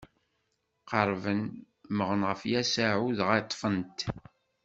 Qerrben, mmɣen ɣef Yasuɛ dɣa ṭṭfen-t.